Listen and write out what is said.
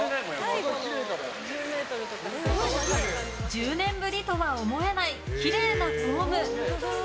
１０年ぶりとは思えないきれいなフォーム。